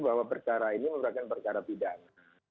bahwa perkara ini merupakan perkara pidana